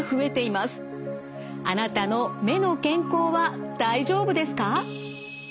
あなたの目の健康は大丈夫ですか？